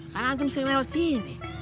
karena antum sering lewat sini